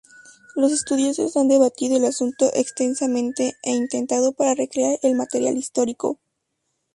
Los estudiosos han debatido el asunto extensamente e intentado para recrear el material histórico.